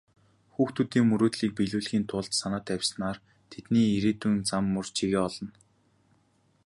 Хүүхдүүдийн мөрөөдлийг биелүүлэхийн тулд санаа тавьснаар тэдний ирээдүйн зам мөр чигээ олно.